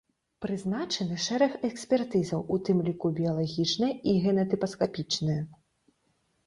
Прызначаны шэраг экспертызаў, у тым ліку біялагічная і генатыпаскапічная.